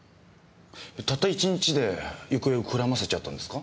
たった１日で行方をくらませちゃったんですか？